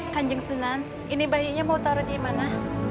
kanjeng sunan ini bayinya mau taruh di mana